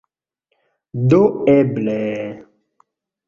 Do eble...